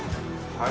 はい。